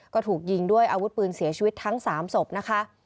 ก็ถูกยิงด้วยอาวุธปืนเสียชีวิตทั้ง๓ศพนะคะ